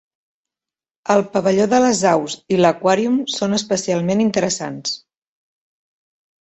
El pavelló de les aus i l'aquàrium són especialment interessants